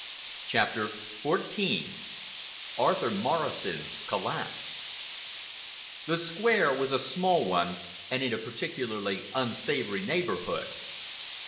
CHAPTER XIV ARTHUR MORRISON'S COLLAPSE The Square was a small one, and in a particularly unsavory neighborhood.